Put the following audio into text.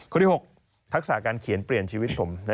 ข้อที่๖ทักษะการเขียนเปลี่ยนชีวิตผม